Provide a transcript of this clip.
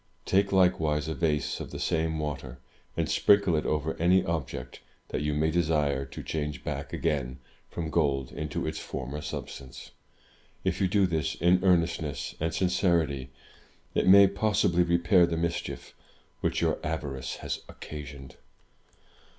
Take likewise a vase of the same water, and sprinkle it over any object that you may desire to change back again from gold into its former substance. If you do this in earnestness and sincerity, it may possibly repair the mischief which your avarice has occasioned."